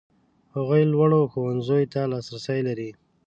هغوی لوړو ښوونځیو ته لاسرسی لري.